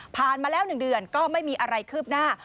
ผ่านมาแล้วหนึ่งเดือนก็ไม่มีอะไรคืบหน้า